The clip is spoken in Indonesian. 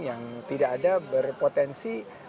yang tidak ada berpotensi